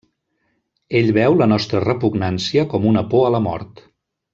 Ell veu la nostra repugnància com una por a la mort.